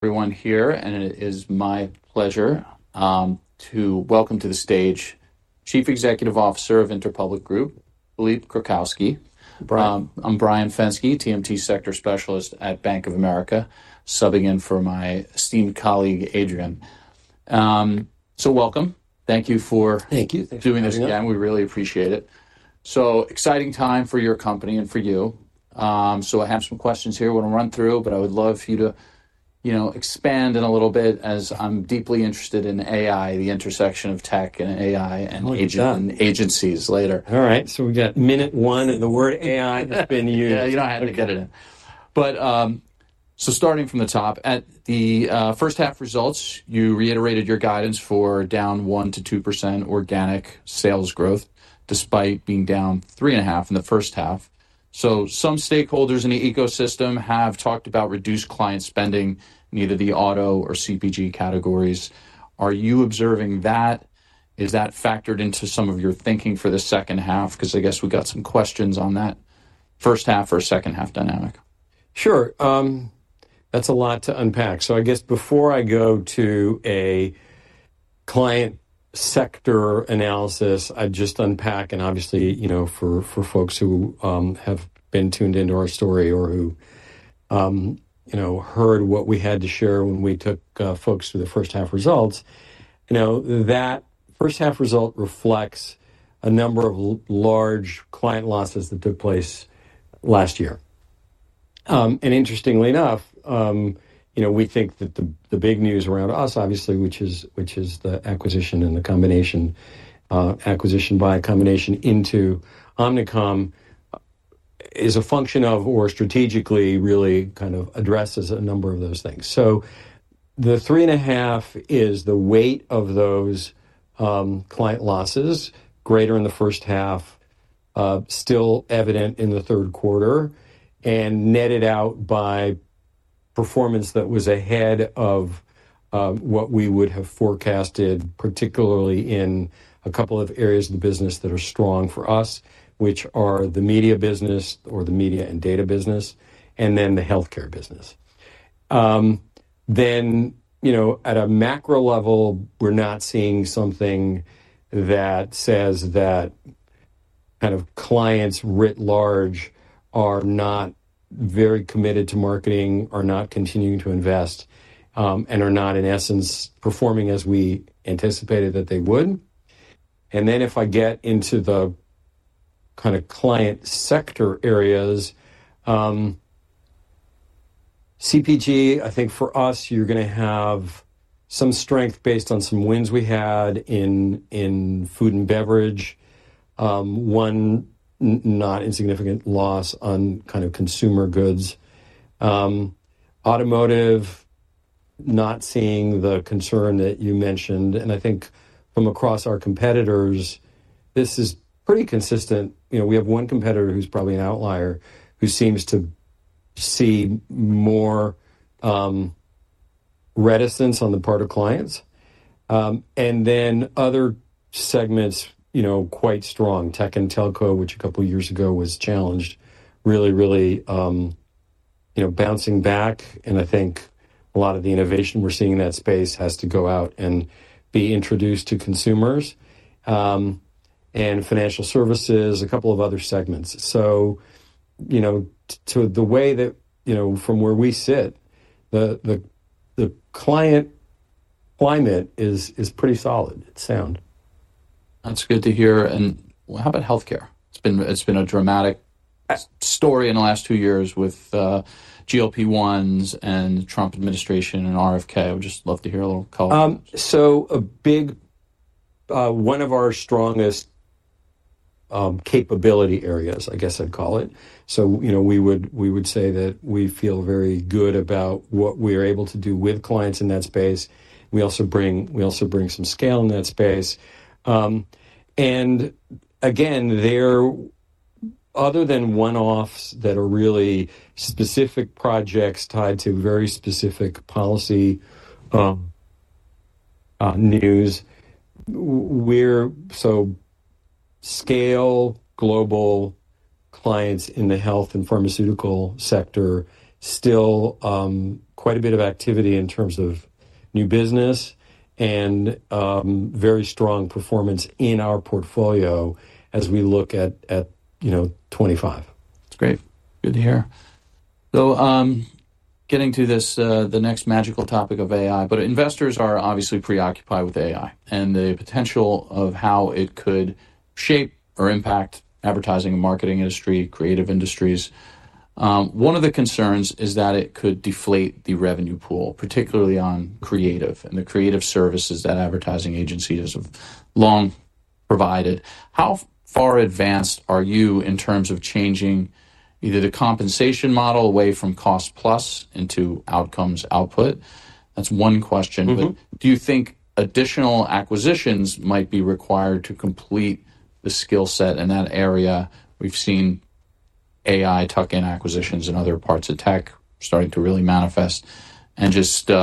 Everyone here, and it is my pleasure, to welcome to the stage Chief Executive Officer of Interpublic Group, Philippe Krakowsky. Brian. I'm Brian Fenske, TMT sector specialist at Bank of America, subbing in for my esteemed colleague, Adrien. Welcome. Thank you for- Thank you. Thanks for having me. Doing this again. We really appreciate it. So exciting time for your company and for you. So I have some questions here I want to run through, but I would love for you to, you know, expand in a little bit as I'm deeply interested in AI, the intersection of tech and AI and- Look at that! AI, or AI and agencies later. All right, so we've got minute one, and the word AI has been used. Yeah, you know I had to get it in. But, so starting from the top, at the first half results, you reiterated your guidance for down 1-2% organic sales growth, despite being down 3.5% in the first half. So some stakeholders in the ecosystem have talked about reduced client spending in either the auto or CPG categories. Are you observing that? Is that factored into some of your thinking for the second half? Because I guess we've got some questions on that first half or second-half dynamic. Sure. That's a lot to unpack. So I guess before I go to a client sector analysis, I'd just unpack, and obviously, you know, for folks who have been tuned into our story or who, you know, heard what we had to share when we took folks through the first half results. You know, that first half result reflects a number of large client losses that took place last year. And interestingly enough, you know, we think that the big news around us, obviously, which is the acquisition and the combination, acquisition by a combination into Omnicom, is a function of or strategically really kind of addresses a number of those things. So the three and a half is the weight of those client losses, greater in the first half, still evident in the third quarter, and netted out by performance that was ahead of what we would have forecasted, particularly in a couple of areas of the business that are strong for us, which are the media business or the media and data business, and then the healthcare business. Then, you know, at a macro level, we're not seeing something that says that kind of clients, writ large, are not very committed to marketing or not continuing to invest, and are not, in essence, performing as we anticipated that they would. And then if I get into the kind of client sector areas, CPG, I think for us, you're gonna have some strength based on some wins we had in food and beverage. One not insignificant loss on kind of consumer goods. Automotive, not seeing the concern that you mentioned, and I think from across our competitors, this is pretty consistent. You know, we have one competitor who's probably an outlier, who seems to see more reticence on the part of clients, and then other segments, you know, quite strong. Tech and telco, which a couple of years ago was challenged, really you know, bouncing back, and I think a lot of the innovation we're seeing in that space has to go out and be introduced to consumers, and financial services, a couple of other segments, so you know, to the way that, you know, from where we sit, the client climate is pretty solid. It's sound. That's good to hear, and how about healthcare? It's been a dramatic story in the last two years with GLP-1s and the Trump administration and RFK. I would just love to hear a little color. So a big one of our strongest capability areas, I guess I'd call it. You know, we would say that we feel very good about what we're able to do with clients in that space. We also bring some scale in that space. And again, other than one-offs that are really specific projects tied to very specific policy or news, we have scale with global clients in the health and pharmaceutical sector, still quite a bit of activity in terms of new business and very strong performance in our portfolio as we look at, you know, 2025. That's great. Good to hear. So, getting to this, the next magical topic of AI, but investors are obviously preoccupied with AI and the potential of how it could shape or impact advertising and marketing industry, creative industries. One of the concerns is that it could deflate the revenue pool, particularly on creative and the creative services that advertising agencies have long provided. How far advanced are you in terms of changing either the compensation model away from cost-plus into outcomes, output OR outcomes-based? That's one question. But do you think additional acquisitions might be required to complete the skill set in that area? We've seen AI tuck-in acquisitions in other parts of tech starting to really manifest and just, you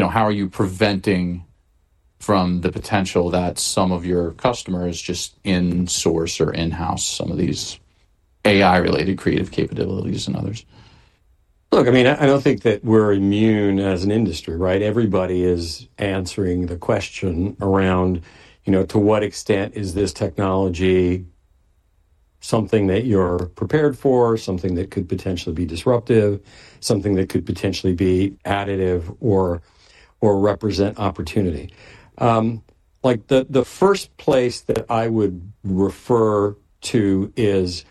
know, how are you preventing from the potential that some of your customers just in-source or in-house some of these AI-related creative capabilities and others? Look, I mean, I don't think that we're immune as an industry, right? Everybody is answering the question around, you know, to what extent is this technology something that you're prepared for, something that could potentially be disruptive, something that could potentially be additive or, or represent opportunity? Like, the first place that I would refer to is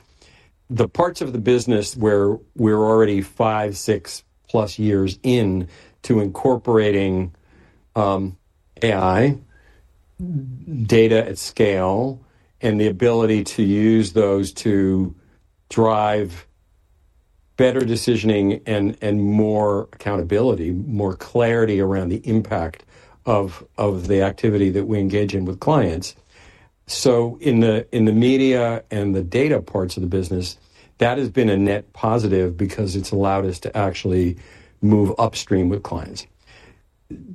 the parts of the business where we're already five, six-plus years in to incorporating AI, data at scale, and the ability to use those to drive better decisioning and more accountability, more clarity around the impact of the activity that we engage in with clients. So in the media and the data parts of the business, that has been a net positive because it's allowed us to actually move upstream with clients.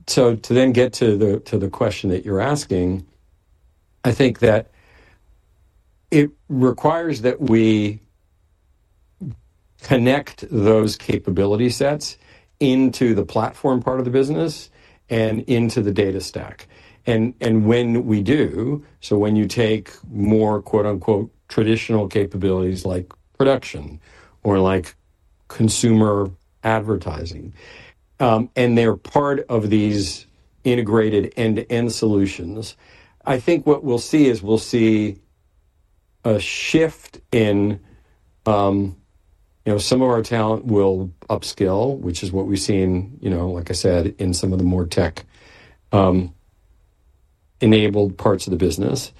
To then get to the question that you're asking, I think that it requires that we connect those capability sets into the platform part of the business and into the data stack, and when we do, so when you take more, quote-unquote, "traditional capabilities" like production or like consumer advertising, and they're part of these integrated end-to-end solutions, I think what we'll see is we'll see a shift in. You know, some of our talent will upskill, which is what we've seen, you know, like I said, in some of the more tech-enabled parts of the business.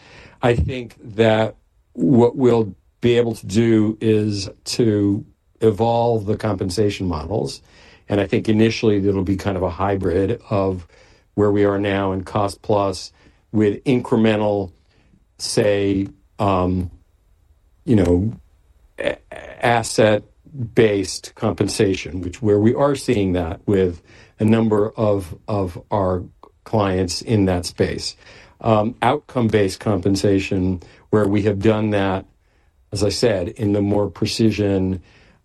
I think that what we'll be able to do is to evolve the compensation models, and I think initially it'll be kind of a hybrid of where we are now in cost-plus with incremental, say, you know, asset-based compensation, where we are seeing that with a number of our clients in that space. Outcome-based compensation, where we have done that, as I said, in the more precision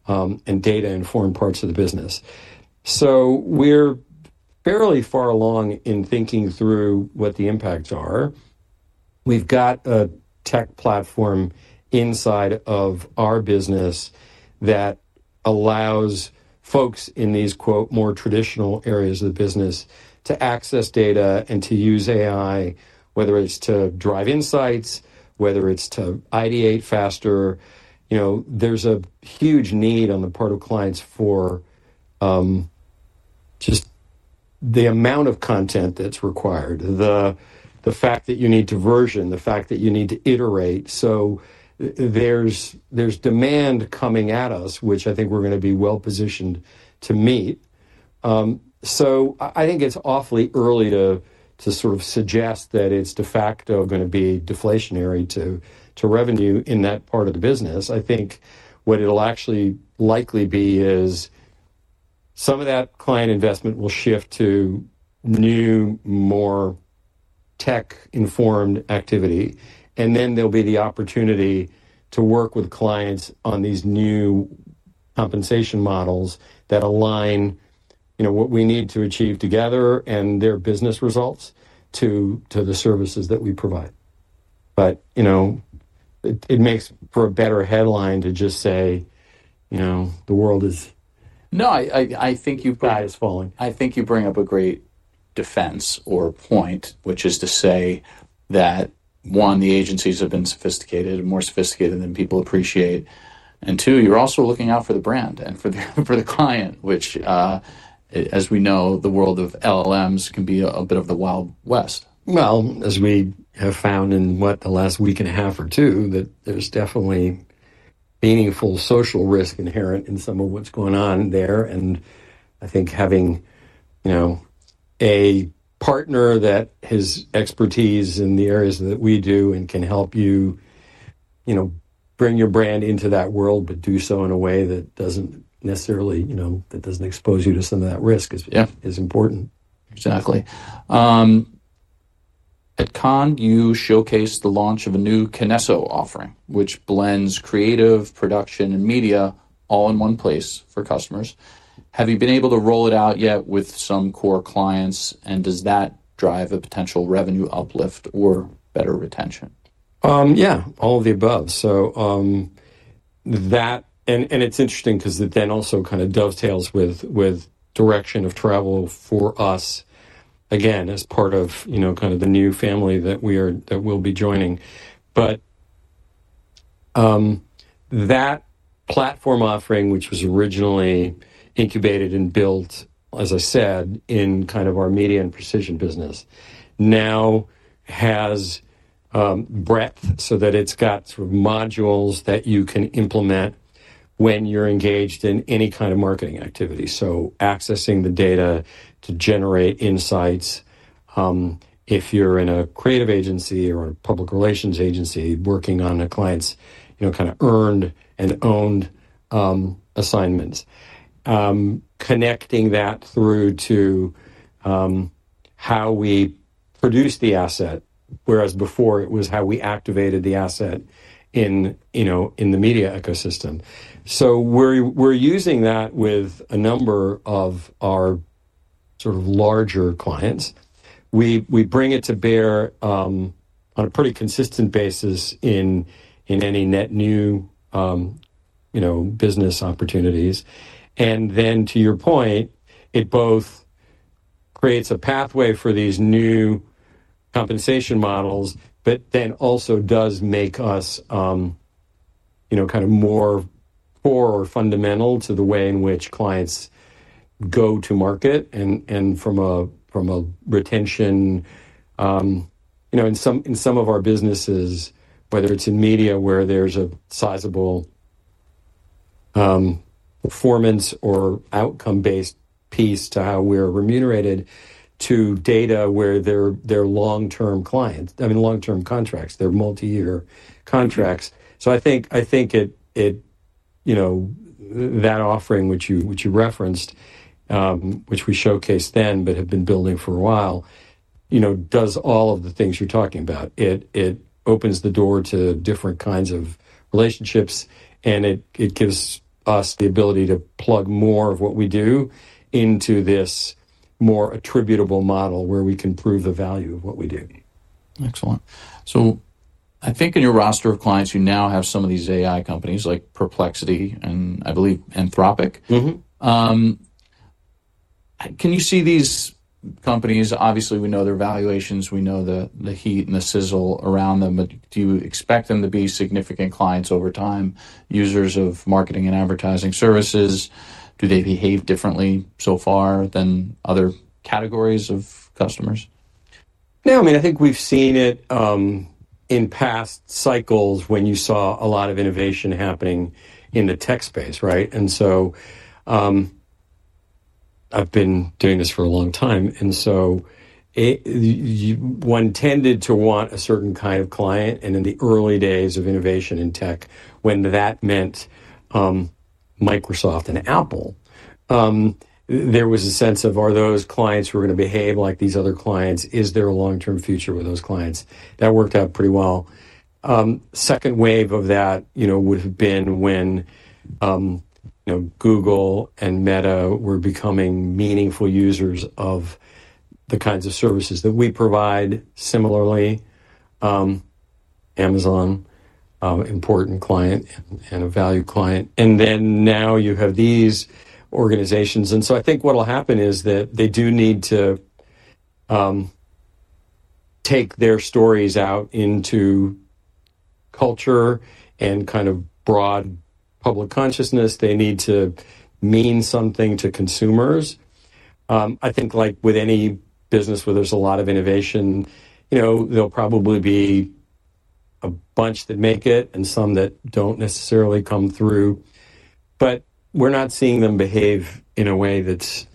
and data-informed parts of the business. So we're fairly far along in thinking through what the impacts are. We've got a tech platform inside of our business that allows folks in these, quote, "more traditional areas of the business" to access data and to use AI, whether it's to drive insights, whether it's to ideate faster. You know, there's a huge need on the part of clients for just the amount of content that's required, the fact that you need to version, the fact that you need to iterate, so there's demand coming at us, which I think we're gonna be well positioned to meet, so I think it's awfully early to sort of suggest that it's de facto gonna be deflationary to revenue in that part of the business. I think what it'll actually likely be is some of that client investment will shift to new, more tech-informed activity, and then there'll be the opportunity to work with clients on these new compensation models that align, you know, what we need to achieve together and their business results to the services that we provide. But, you know, it makes for a better headline to just say, "You know, the world is- No, I think you bring- The sky is falling. I think you bring up a great defense or point, which is to say that, one, the agencies have been sophisticated and more sophisticated than people appreciate, and two, you're also looking out for the brand and for the client, which, as we know, the world of LLMs can be a bit of the Wild West. As we have found in, what? The last week and a half or two, that there's definitely meaningful social risk inherent in some of what's going on there, and I think having, you know, a partner that has expertise in the areas that we do and can help you, you know, bring your brand into that world, but do so in a way that doesn't necessarily, you know, that doesn't expose you to some of that risk is. Yeah Is important. Exactly. At Cannes, you showcased the launch of a new Kinesso offering, which blends creative production and media all in one place for customers. Have you been able to roll it out yet with some core clients, and does that drive a potential revenue uplift or better retention? Yeah, all of the above. So, it's interesting 'cause it then also kind of dovetails with direction of travel for us, again, as part of, you know, kind of the new family that we are, that we'll be joining. But, that platform offering, which was originally incubated and built, as I said, in kind of our media and precision business, now has breadth so that it's got sort of modules that you can implement when you're engaged in any kind of marketing activity. So accessing the data to generate insights if you're in a creative agency or a public relations agency working on a client's, you know, kind of earned and owned assignments. Connecting that through to how we produce the asset, whereas before it was how we activated the asset in, you know, in the media ecosystem. So we're using that with a number of our sort of larger clients. We bring it to bear on a pretty consistent basis in any net new you know business opportunities. And then, to your point, it both creates a pathway for these new compensation models, but then also does make us you know kind of more core or fundamental to the way in which clients go to market and from a retention. You know, in some of our businesses, whether it's in media, where there's a sizable performance or outcome-based piece to how we're remunerated, to data where they're long-term clients, I mean, long-term contracts. They're multi-year contracts. So I think it, you know, that offering, which you referenced, which we showcased then but have been building for a while, you know, does all of the things you're talking about. It opens the door to different kinds of relationships, and it gives us the ability to plug more of what we do into this more attributable model, where we can prove the value of what we do. Excellent. So I think in your roster of clients, you now have some of these AI companies like Perplexity and, I believe, Anthropic. Can you see these companies, obviously, we know their valuations, we know the heat and the sizzle around them, but do you expect them to be significant clients over time, users of marketing and advertising services? Do they behave differently so far than other categories of customers? Yeah, I mean, I think we've seen it in past cycles when you saw a lot of innovation happening in the tech space, right? And so, I've been doing this for a long time, and so anyone tended to want a certain kind of client, and in the early days of innovation in tech, when that meant Microsoft and Apple, there was a sense of, are those clients who are going to behave like these other clients? Is there a long-term future with those clients? That worked out pretty well. Second wave of that, you know, would have been when, you know, Google and Meta were becoming meaningful users of the kinds of services that we provide. Similarly, Amazon, important client and a value client, and then now you have these organizations. And so I think what'll happen is that they do need to take their stories out into culture and kind of broad public consciousness. They need to mean something to consumers. I think, like with any business where there's a lot of innovation, you know, there'll probably be a bunch that make it and some that don't necessarily come through, but we're not seeing them behave in a way that's...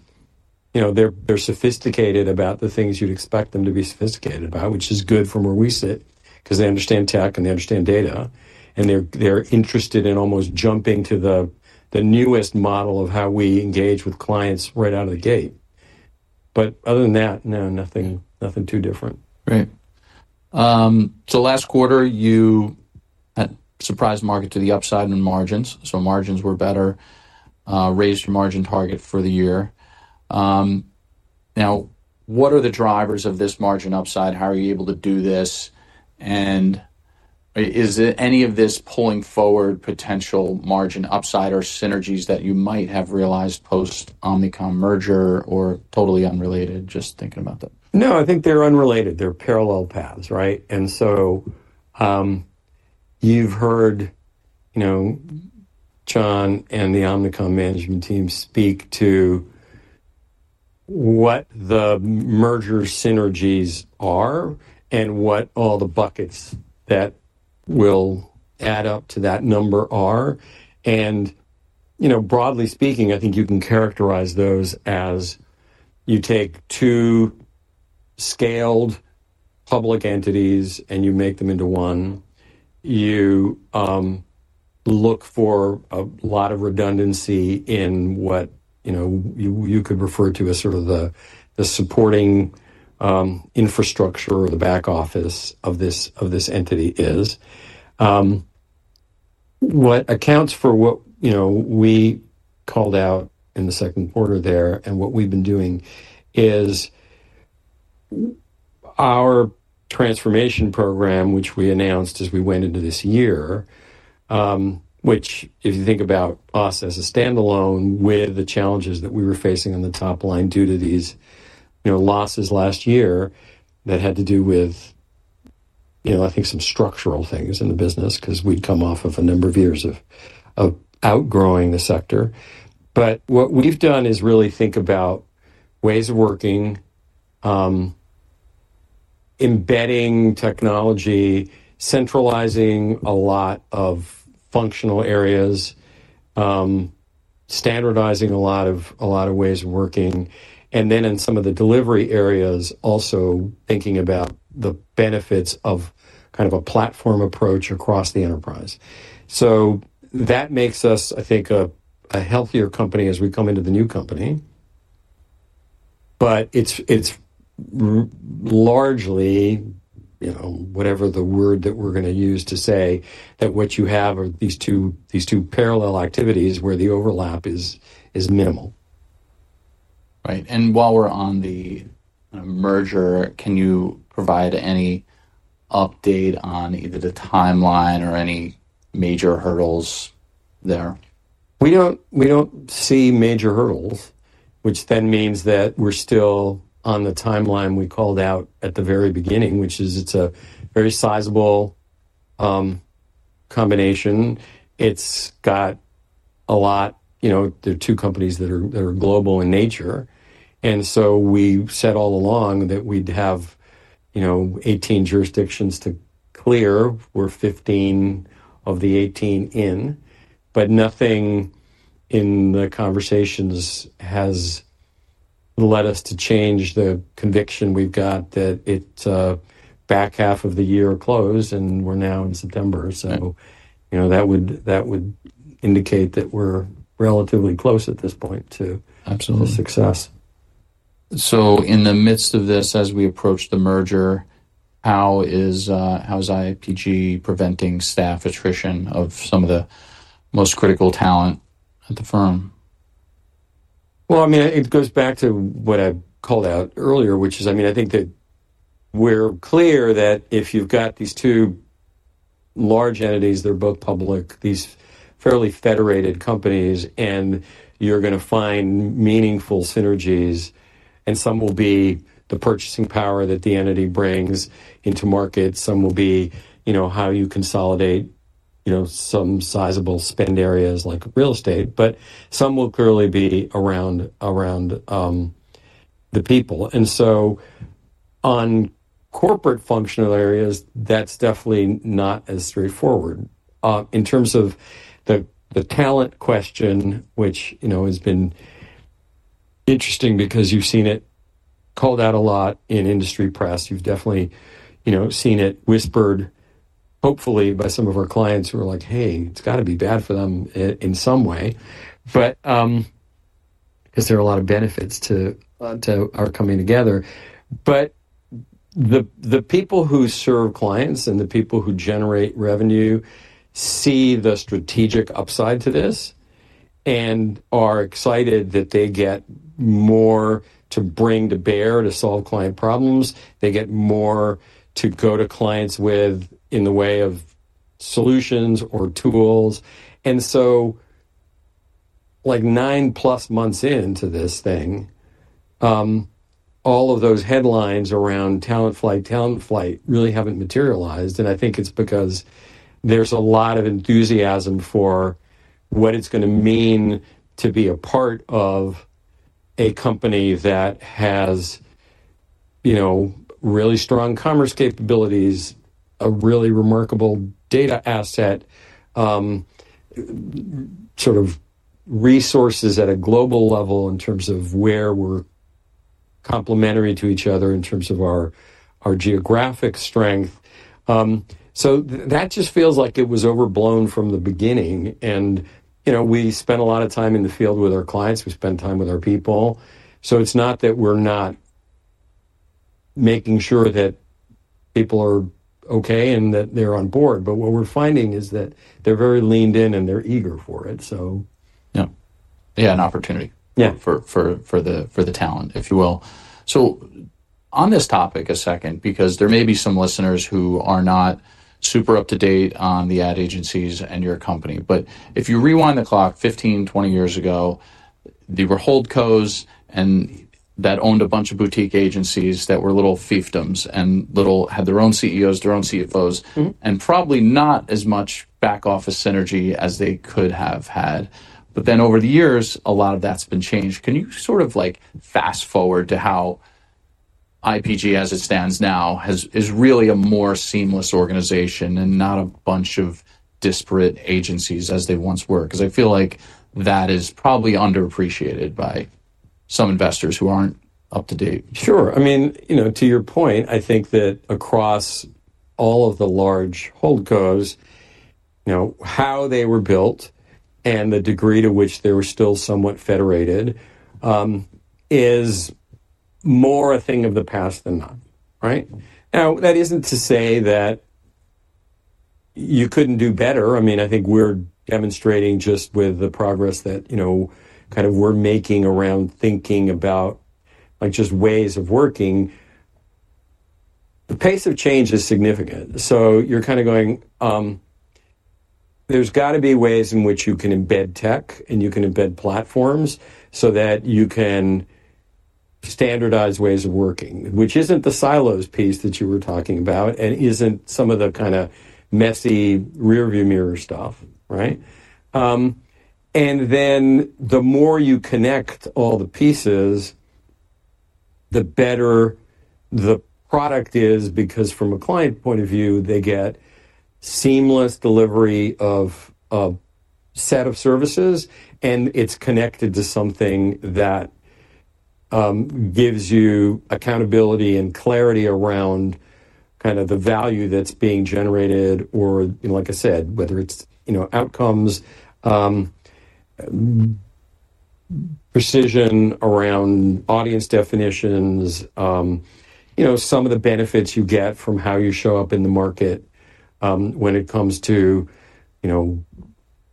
You know, they're sophisticated about the things you'd expect them to be sophisticated about, which is good from where we sit because they understand tech, and they understand data, and they're interested in almost jumping to the newest model of how we engage with clients right out of the gate. But other than that, no, nothing too different. Right. So last quarter, you surprised market to the upside in margins. So margins were better, raised your margin target for the year. Now, what are the drivers of this margin upside? How are you able to do this, and is it any of this pulling forward potential margin upside or synergies that you might have realized post-Omnicom merger, or totally unrelated? Just thinking about that. No, I think they're unrelated. They're parallel paths, right? And so, you've heard, you know, John and the Omnicom management team speak to what the merger synergies are and what all the buckets that will add up to that number are. And, you know, broadly speaking, I think you can characterize those as you take two scaled public entities, and you make them into one. You look for a lot of redundancy in what, you know, you could refer to as sort of the supporting infrastructure or the back office of this entity is. What accounts for what, you know, we called out in the second quarter there and what we've been doing is our transformation program, which we announced as we went into this year, which, if you think about us as a standalone, with the challenges that we were facing on the top line due to these, you know, losses last year, that had to do with, you know, I think some structural things in the business 'cause we'd come off of a number of years of outgrowing the sector, but what we've done is really think about ways of working, embedding technology, centralizing a lot of functional areas, standardizing a lot of ways of working, and then in some of the delivery areas, also thinking about the benefits of kind of a platform approach across the enterprise. So that makes us, I think, a healthier company as we come into the new company. But it's largely, you know, whatever the word that we're gonna use to say that what you have are these two parallel activities where the overlap is minimal. Right, and while we're on the merger, can you provide any update on either the timeline or any major hurdles there? We don't see major hurdles, which then means that we're still on the timeline we called out at the very beginning, which is it's a very sizable combination. It's got a lot. You know, they're two companies that are global in nature, and so we've said all along that we'd have, you know, 18 jurisdictions to clear. We're 15 of the 18 in, but nothing in the conversations has led us to change the conviction we've got that it's back half of the year closed, and we're now in September. Right. So, you know, that would indicate that we're relatively close at this point to- Absolutely A success. So in the midst of this, as we approach the merger, how is IPG preventing staff attrition of some of the most critical talent at the firm? I mean, it goes back to what I called out earlier, which is, I mean, I think that we're clear that if you've got these two large entities, they're both public, these fairly federated companies, and you're gonna find meaningful synergies, and some will be the purchasing power that the entity brings into market. Some will be, you know, how you consolidate, you know, some sizable spend areas like real estate, but some will clearly be around the people. And so, on corporate functional areas, that's definitely not as straightforward. In terms of the talent question, which, you know, has been interesting because you've seen it called out a lot in industry press. You've definitely, you know, seen it whispered, hopefully, by some of our clients who are like, "Hey, it's gotta be bad for them in some way." But 'cause there are a lot of benefits to our coming together. But the people who serve clients and the people who generate revenue see the strategic upside to this and are excited that they get more to bring to bear to solve client problems. They get more to go to clients with in the way of solutions or tools. And so, like, nine-plus months into this thing, all of those headlines around talent flight, talent flight really haven't materialized, and I think it's because there's a lot of enthusiasm for what it's gonna mean to be a part of a company that has, you know, really strong commerce capabilities, a really remarkable data asset, sort of resources at a global level in terms of where we're complementary to each other in terms of our geographic strength, so that just feels like it was overblown from the beginning, and, you know, we spend a lot of time in the field with our clients. We spend time with our people, so it's not that we're not making sure that people are okay and that they're on board, but what we're finding is that they're very leaned in, and they're eager for it, so. Yeah. Yeah, an opportunity- Yeah For the talent, if you will. So on this topic a second, because there may be some listeners who are not super up to date on the ad agencies and your company, but if you rewind the clock 15, 20 years ago, there were holdcos, and that owned a bunch of boutique agencies that were little fiefdoms and had their own CEOs, their own CFOs- And probably not as much back office synergy as they could have had. But then over the years, a lot of that's been changed. Can you sort of like fast-forward to how IPG, as it stands now, is really a more seamless organization and not a bunch of disparate agencies as they once were? 'Cause I feel like that is probably underappreciated by some investors who aren't up to date. Sure. I mean, you know, to your point, I think that across all of the large holdcos, you know, how they were built and the degree to which they were still somewhat federated, is more a thing of the past than not, right? Now, that isn't to say that you couldn't do better. I mean, I think we're demonstrating just with the progress that, you know, kind of we're making around thinking about, like, just ways of working. The pace of change is significant, so you're kind of going, there's got to be ways in which you can embed tech, and you can embed platforms so that you can standardize ways of working, which isn't the silos piece that you were talking about and isn't some of the kind of messy rearview mirror stuff, right? But... And then the more you connect all the pieces, the better the product is, because from a client point of view, they get seamless delivery of a set of services, and it's connected to something that gives you accountability and clarity around kind of the value that's being generated. Or, like I said, whether it's, you know, outcomes, precision around audience definitions, you know, some of the benefits you get from how you show up in the market, when it comes to, you know,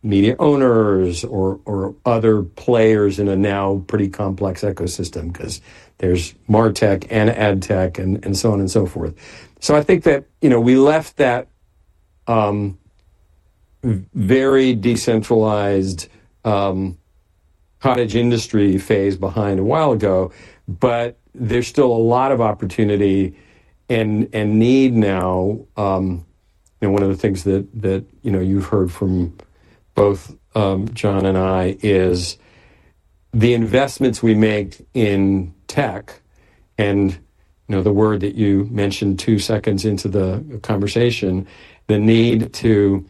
media owners or other players in a now pretty complex ecosystem, 'cause there's MarTech and AdTech, and so on and so forth. So I think that, you know, we left that very decentralized cottage industry phase behind a while ago, but there's still a lot of opportunity and need now. And one of the things that you know you've heard from both John and I is the investments we make in tech and you know the word that you mentioned two seconds into the conversation the need to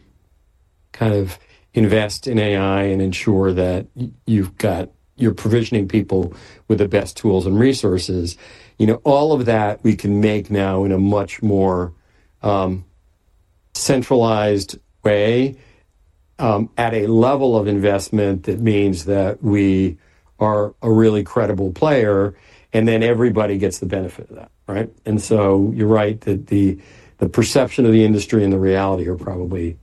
kind of invest in AI and ensure that you're provisioning people with the best tools and resources. You know all of that we can make now in a much more centralized way at a level of investment that means that we are a really credible player and then everybody gets the benefit of that right? And so you're right that the perception of the industry and the reality are probably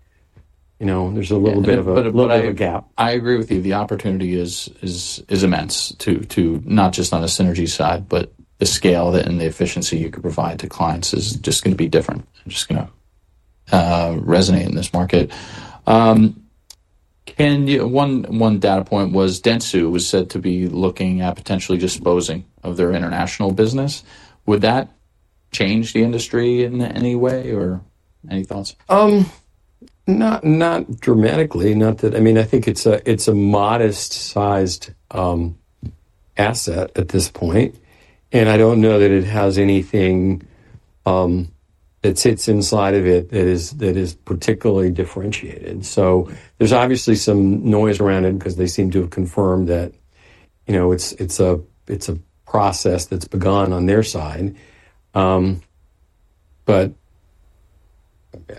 you know there's a little bit of a gap. I agree with you. The opportunity is immense to not just on the synergy side, but the scale and the efficiency you can provide to clients is just gonna be different and just gonna resonate in this market. Can you – one data point was Dentsu was said to be looking at potentially disposing of their international business. Would that change the industry in any way, or any thoughts? Not dramatically. I mean, I think it's a modest-sized asset at this point, and I don't know that it has anything that sits inside of it that is particularly differentiated. So there's obviously some noise around it, 'cause they seem to have confirmed that, you know, it's a process that's begun on their side. But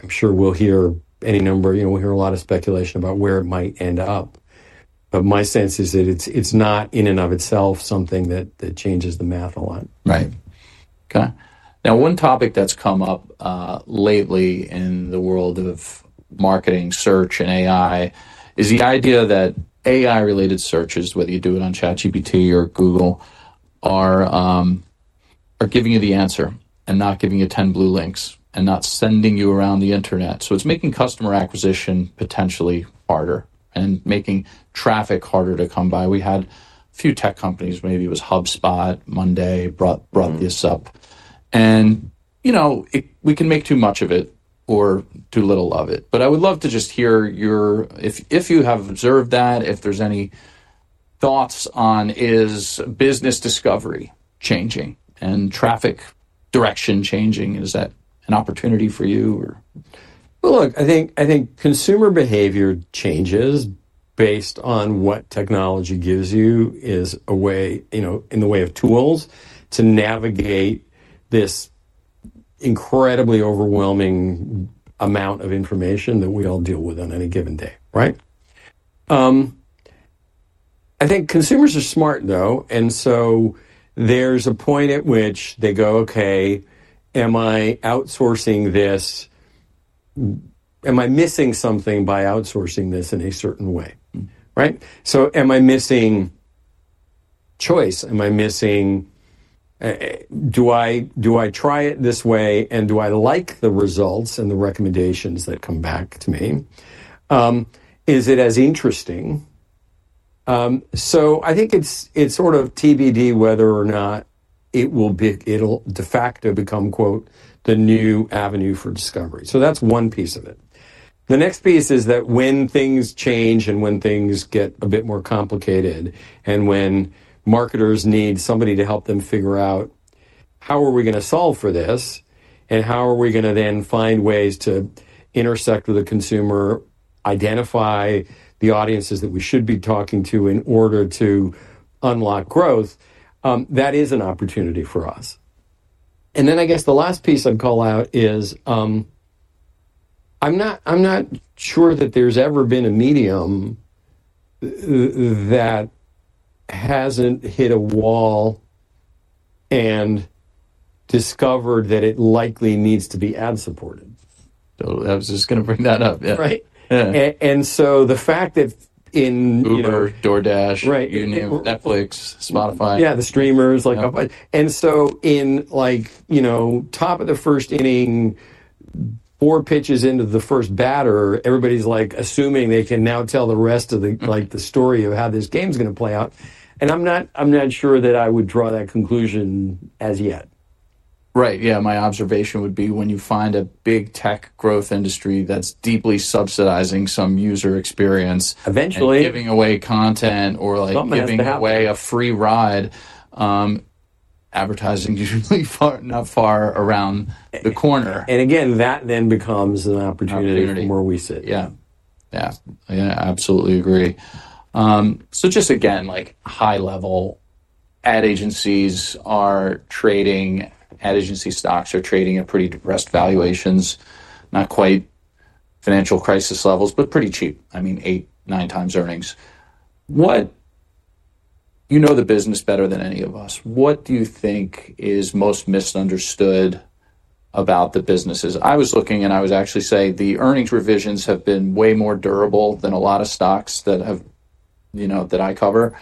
I'm sure we'll hear any number you know, we'll hear a lot of speculation about where it might end up, but my sense is that it's not in and of itself something that changes the math a lot. Right. Okay. Now, one topic that's come up lately in the world of marketing, search, and AI is the idea that AI-related searches, whether you do it on ChatGPT or Google, are giving you the answer and not giving you ten blue links and not sending you around the internet. So it's making customer acquisition potentially harder and making traffic harder to come by. We had a few tech companies, maybe it was HubSpot, Monday.com, brought this up- And, you know, it - we can make too much of it or too little of it, but I would love to just hear your... If you have observed that, if there's any thoughts on is business discovery changing and traffic direction changing? Is that an opportunity for you, or? Well, look, I think, I think consumer behavior changes based on what technology gives you, is a way, you know, in the way of tools to navigate this incredibly overwhelming amount of information that we all deal with on any given day, right? I think consumers are smart, though, and so there's a point at which they go, "Okay, am I outsourcing this? Am I missing something by outsourcing this in a certain way? Right? "So am I missing choice? Am I missing, do I try it this way, and do I like the results and the recommendations that come back to me? Is it as interesting?" So I think it's sort of TBD, whether or not it will be. It'll de facto become, quote, "the new avenue for discovery." So that's one piece of it. The next piece is that when things change and when things get a bit more complicated, and when marketers need somebody to help them figure out, how are we gonna solve for this? And how are we gonna then find ways to intersect with the consumer, identify the audiences that we should be talking to in order to unlock growth? That is an opportunity for us. And then I guess the last piece I'd call out is, I'm not, I'm not sure that there's ever been a medium that hasn't hit a wall and discovered that it likely needs to be ad-supported. I was just gonna bring that up, yeah. Right. Yeah. and so the fact that in- Uber, DoorDash Right. You name it, Netflix, Spotify. Yeah, the streamers, like- Yeah And so in like, you know, top of the first inning, four pitches into the first batter, everybody's like, assuming they can now tell the rest of the like, the story of how this game's gonna play out, and I'm not, I'm not sure that I would draw that conclusion as yet. Right. Yeah, my observation would be when you find a big tech growth industry that's deeply subsidizing some user experience- Eventually And giving away content or, like Something has to happen. Giving away a free ride, advertising is usually far, not far around the corner. Again, that then becomes an opportunity- Opportunity From where we sit. Yeah. Yeah, I absolutely agree, so just again, like high level ad agencies are trading, ad agency stocks are trading at pretty depressed valuations, not quite financial crisis levels, but pretty cheap, I mean, eight, nine times earnings. You know the business better than any of us, what do you think is most misunderstood about the businesses? I was looking and I was actually saying the earnings revisions have been way more durable than a lot of stocks that have, you know, that I cover.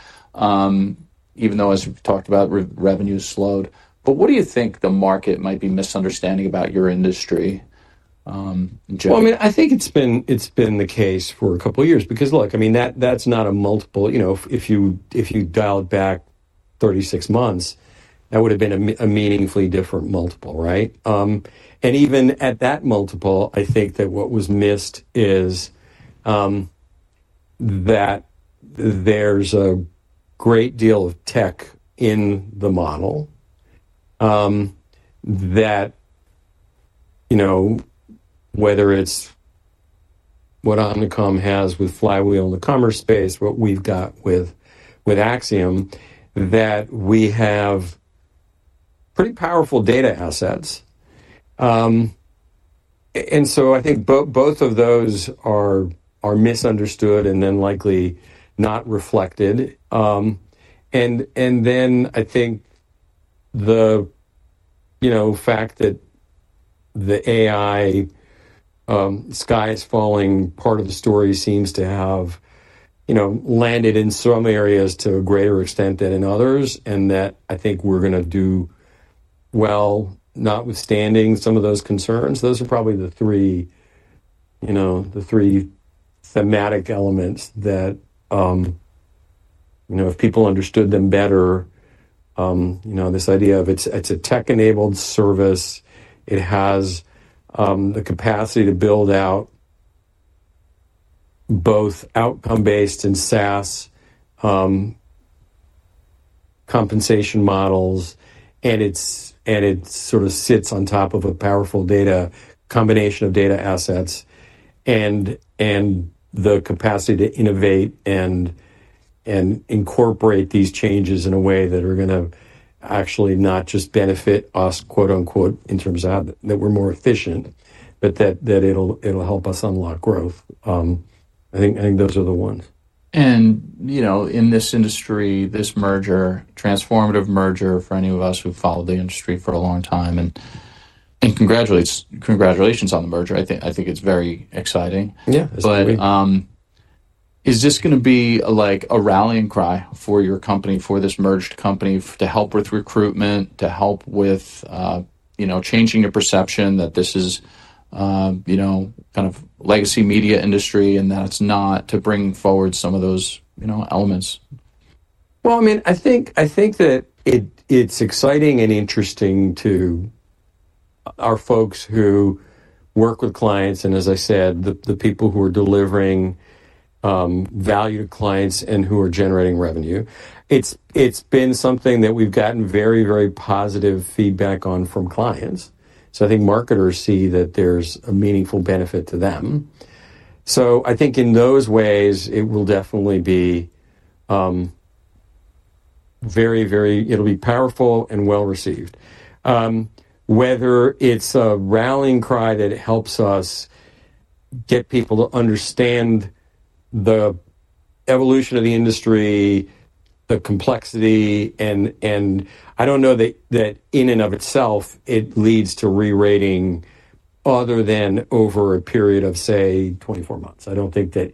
Even though, as we've talked about, revenues slowed, but what do you think the market might be misunderstanding about your industry, in general? I mean, I think it's been, it's been the case for a couple of years. Because, look, I mean, that, that's not a multiple. You know, if, if you, if you dialed back thirty-six months, that would have been a meaningfully different multiple, right? And even at that multiple, I think that what was missed is, that there's a great deal of tech in the model, that, you know, whether it's what Omnicom has with Flywheel in the commerce space, what we've got with, with Acxiom, that we have pretty powerful data assets. And so I think both of those are, are misunderstood and then likely not reflected. And then I think the, you know, fact that the AI sky is falling part of the story seems to have, you know, landed in some areas to a greater extent than in others, and that I think we're gonna do well, notwithstanding some of those concerns. Those are probably the three, you know, thematic elements that, you know, if people understood them better, you know, this idea of it's a tech-enabled service. It has the capacity to build out both outcome-based and SaaS compensation models, and it sort of sits on top of a powerful combination of data assets and the capacity to innovate and incorporate these changes in a way that are gonna actually not just benefit us, quote-unquote, in terms of that we're more efficient, but that it'll help us unlock growth. I think those are the ones. You know, in this industry, this merger, transformative merger for any of us who've followed the industry for a long time, and congratulations on the merger. I think it's very exciting. Yeah, it's great. Is this gonna be like a rallying cry for your company, for this merged company, to help with recruitment, to help with, you know, changing the perception that this is, you know, kind of legacy media industry, and that it's not to bring forward some of those, you know, elements? Well, I mean, I think, I think that it, it's exciting and interesting to our folks who work with clients, and as I said, the people who are delivering value to clients and who are generating revenue. It's been something that we've gotten very, very positive feedback on from clients, so I think marketers see that there's a meaningful benefit to them. So I think in those ways, it will definitely be very, very... It'll be powerful and well-received. Whether it's a rallying cry that helps us get people to understand the evolution of the industry, the complexity, and I don't know that in and of itself it leads to re-rating other than over a period of, say, twenty-four months. I don't think. Like,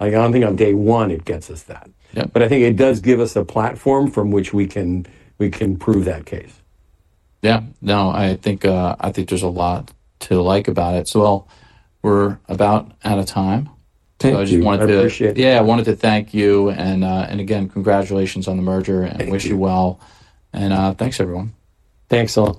I don't think on day one, it gets us that. Yeah. But I think it does give us a platform from which we can prove that case. Yeah. No, I think there's a lot to like about it. So, well, we're about out of time. Thank you. So I just wanted to- I appreciate it. Yeah, I wanted to thank you, and again, congratulations on the merger- Thank you. and wish you well. And, thanks, everyone. Thanks a lot.